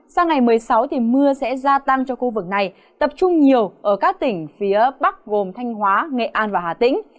sang ngày một mươi sáu thì mưa sẽ gia tăng cho khu vực này tập trung nhiều ở các tỉnh phía bắc gồm thanh hóa nghệ an và hà tĩnh